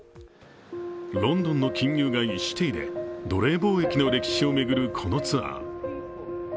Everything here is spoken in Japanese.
ロンドンの金融街シティで奴隷貿易の歴史を巡るこのツアー。